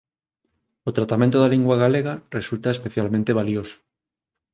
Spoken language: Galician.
O tratamento da lingua galega resulta especialmente valioso.